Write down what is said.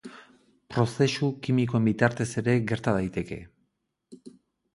Prozesu kimikoen bitartez ere gerta daiteke.